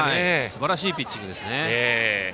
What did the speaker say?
すばらしいピッチングです。